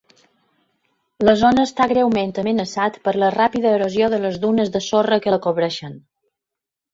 La zona està greument amenaçat per la ràpida erosió de les dunes de sorra que la cobreixen.